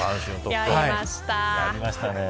やりました。